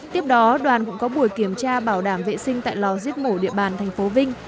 tiếp đó đoàn cũng có buổi kiểm tra bảo đảm vệ sinh tại lò giết mổ địa bàn thành phố vinh